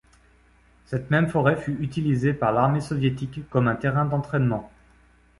Cette même forêt fut utilisée par l'armée soviétique comme un terrain d'entraînement.